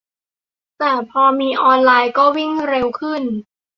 แต่พอมีออนไลน์ก็วิ่งเร็วขึ้น